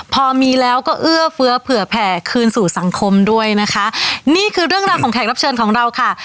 พอมีแล้วก็เอื้อเฟื้อเผื่อแผ่คืนสู่สังคมด้วยนะคะนี่คือเรื่องราวของแขกรับเชิญของเราค่ะ